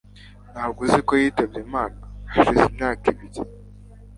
Ntabwo uzi ko yitabye Imana hashize imyaka ibiri